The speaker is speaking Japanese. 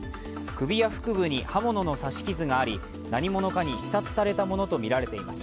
首や腹部に刃物の刺し傷があり、何者かに刺殺されたものとみられています。